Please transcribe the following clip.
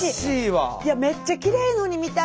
めっちゃきれいのに見た目。